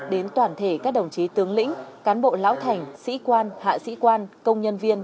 đến toàn thể các đồng chí tướng lĩnh cán bộ lão thành sĩ quan hạ sĩ quan công nhân viên